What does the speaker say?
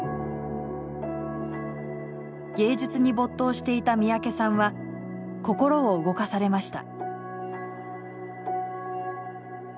芸術に没頭していた三宅さんは心を動かされました。